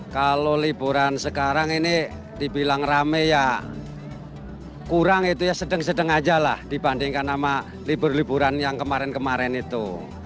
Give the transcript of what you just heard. kalau liburan sekarang ini dibilang rame ya kurang itu ya sedang sedang aja lah dibandingkan sama libur liburan yang kemarin kemarin itu